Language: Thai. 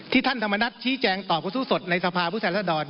ที่ท่านธรรมนัฏชี้แจงต่อความสู้สดในสภาพุทธศาสตร์ดอน